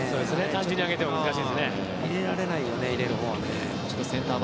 単純に上げても難しいですね。